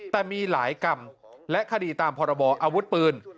แต่มีหลายกรรมและคดีตามพรบออาวุธปืน